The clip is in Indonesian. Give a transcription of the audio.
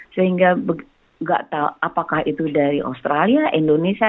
sehingga tidak tahu apakah itu dari australia atau indonesia